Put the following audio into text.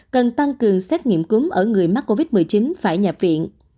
cần tăng cường xét nghiệm cúm ở người mắc covid một mươi chín phải nhập viện